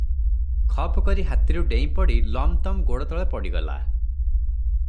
ଖପ୍ କରି ହାତୀରୁ ଡେଇଁପଡି ଲମ୍ ତମ୍ ଗୋଡ଼ତଳେ ପଡିଗଲା ।